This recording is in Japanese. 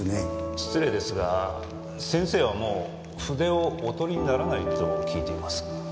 失礼ですが先生はもう筆をお執りにならないと聞いていますが。